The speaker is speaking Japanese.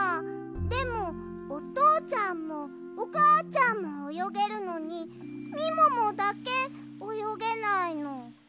でもおとうちゃんもおかあちゃんもおよげるのにみももだけおよげないの。